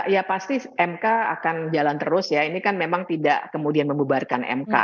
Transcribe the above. ya pasti mk akan jalan terus ya ini kan memang tidak kemudian membubarkan mk